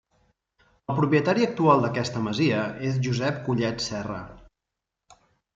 El propietari actual d'aquesta masia és Josep Collet Serra.